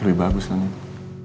oh lebih bagus lah nino